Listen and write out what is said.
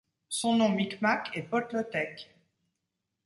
Son nom micmac est Potlotek.